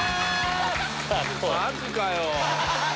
マジかよ。